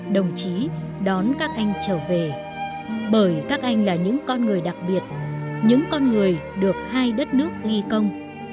đồng chí đón các anh trở về bởi các anh là những con người đặc biệt những con người được hai đất nước ghi công